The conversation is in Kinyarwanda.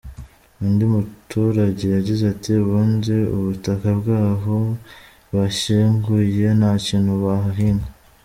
Undi muturage yagize ati “Ubundi ubutaka bw’aho bashyinguye nta kintu bahahinga.